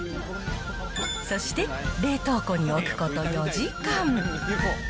そして、冷凍庫に置くこと４時間。